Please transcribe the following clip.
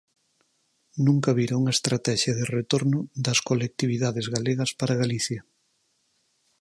Nunca vira unha estratexia de retorno das colectividades galegas para Galicia.